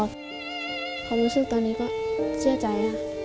ความรู้สึกตอนนี้ก็เชื่อใจค่ะ